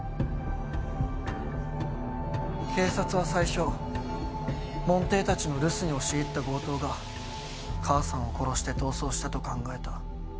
警察は最初門弟たちの留守に押し入った強盗が母さんを殺して逃走したと考えた。